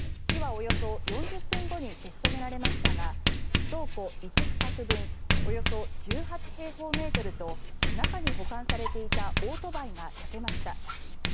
火はおよそ４０分後に消し止められましたが倉庫１区画分およそ１８平方メートルと中に保管されていたオートバイが焼けました。